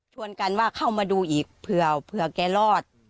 กันว่าเข้ามาดูอีกเผื่อแกรอด